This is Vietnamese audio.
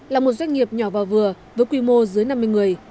là một doanh nghiệp nhỏ và vừa với quy mô dưới năm mươi người